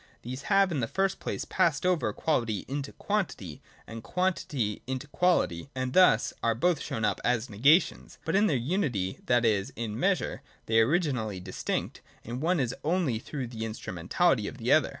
These (a) have in the first place passed over, quality into quantity, (§ 98), and quantity into quality (§ 105), and thus are both shown up as negations. (0) But in their unity, that is, in measure, they are originally distinct, and the one is only through the instrumentahty of the other.